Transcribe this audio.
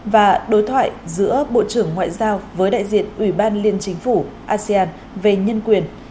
và đối thoại giữa bộ trưởng ngoại giao với đại diện ủy ban liên chính phủ asean về nhân quyền